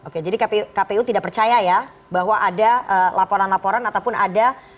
oke jadi kpu tidak percaya ya bahwa ada laporan laporan ataupun ada